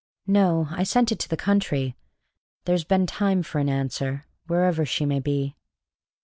"No, I sent it to the country. There's been time for an answer, wherever she may be."